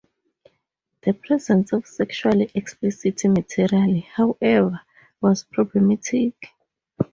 The presence of sexually explicit material, however, was problematic.